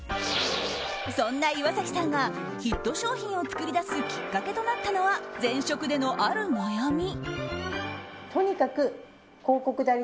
そんな岩崎さんがヒット商品を作り出すきっかけとなったのは前職での、ある悩み。